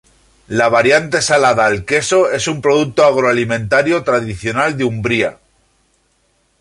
La variante salada al queso es un producto agroalimentario tradicional de Umbría.